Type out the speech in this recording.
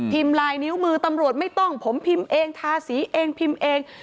ลายนิ้วมือตำรวจไม่ต้องผมพิมพ์เองทาสีเองพิมพ์เอง